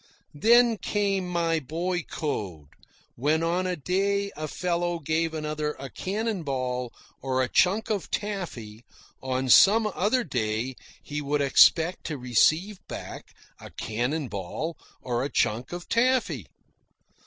Then came my boy code: when on a day a fellow gave another a "cannon ball" or a chunk of taffy, on some other day he would expect to receive back a cannon ball or a chunk of taffy.